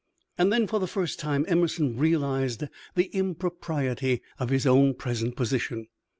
And then, for the first time, Emerson realized the impropriety of his own present position.